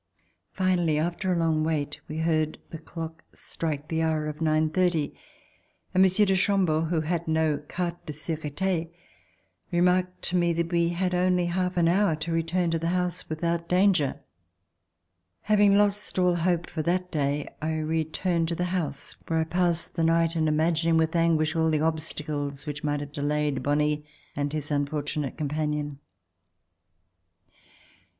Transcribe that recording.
Finally, after a long wait, we heard the clock strike the hour of nine thirty, and Monsieur de Chambeau, who had no carte de surete, C171] RECOLLECTIONS OF THE REVOLUTION remarked to me that we had only a half hour to re turn to the house without danger. Having lost all hope for that day, I returned to the house where I passed the night In Imagining with anguish all the obstacles which might have delayed Bonle and his unfortunate companion.